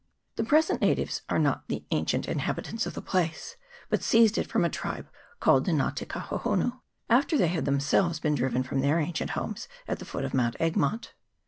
The present natives are not the an cient inhabitants of the place, but seized it from a tribe called the Nga te Kahohunu, after they had themselves been driven from their ancient homes at the foot of Mount Egmont.